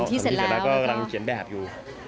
สีเสร็จแล้วก็กำลังเขียนแบบอยู่